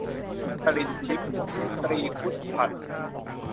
ชรินทร์ทิพย์ ตรีครุธพันธุ์